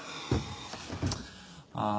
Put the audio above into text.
ああ。